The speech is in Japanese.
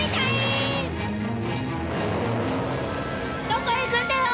どこへ行くんだよ！